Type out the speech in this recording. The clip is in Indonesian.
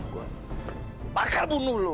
gue bakal bunuh lo